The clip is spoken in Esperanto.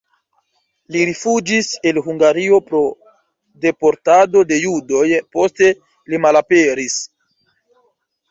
Li rifuĝis el Hungario pro deportado de judoj, poste li malaperis.